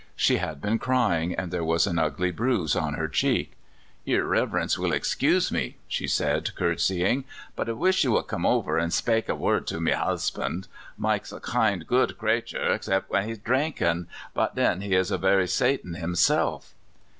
She had been crying, and there was an ugly bruise on her cheek. " Your Riverence will excuse me," she said, DICK. 1 7 courtesying, '* but I wish you would come over and spake a word to me husband. Mike's a kind, good craythur except when he is dhrinkin', but then he is the very Satan himself.'